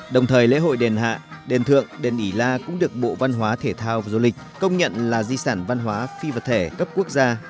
đồng thời lễ hội đền hạ đền thượng đền ỉ la cũng được bộ văn hóa thể thao và du lịch công nhận là di sản văn hóa phi vật thể cấp quốc gia